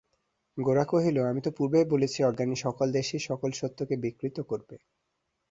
গোরা কহিল, আমি তো পূর্বেই বলেছি অজ্ঞানী সকল দেশেই সকল সত্যকেই বিকৃত করবে।